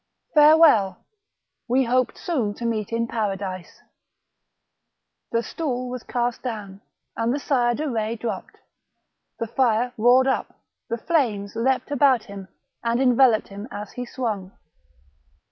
Farewell, we hope soon to meet in Paradise !" The stool was cast down, and the Sire de Retz dropped. The fire roared up, the flames leaped about him, and enveloped him as he swung.